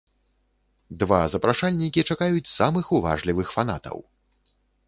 Два запрашальнікі чакаюць самых уважлівых фанатаў!